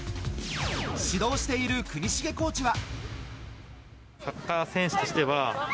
指導している國重コーチは。